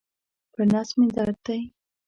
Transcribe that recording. پر نس مي درد دی.